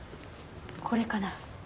これかな？